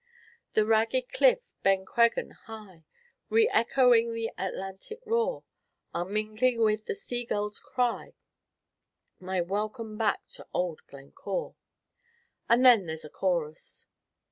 The ragged cliff, Ben Creggan high, Re echoing the Atlantic roar, Are mingling with the seagull's cry My welcome back to old Glencore.' And then there's a chorus."